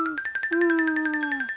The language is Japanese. うん！